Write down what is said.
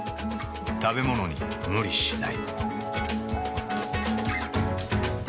食べものに無理しない。